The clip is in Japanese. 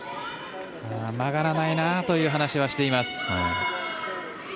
曲がらないな」という話はしています。